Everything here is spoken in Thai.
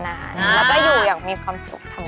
แล้วก็อยู่อย่างมีความสุขทำงาน